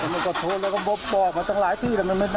มันก็โทษแล้วก็บบบอกมาตั้งหลายที่แต่มันไม่นั่นน่ะ